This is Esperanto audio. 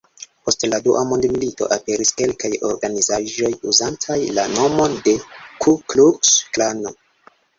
Post la dua mondmilito aperis kelkaj organizaĵoj uzantaj la nomon de "Ku-Kluks-Klano".